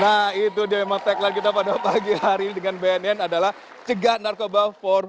nah itu dia memang tagline kita pada pagi hari dengan bnn adalah cegah narkoba empat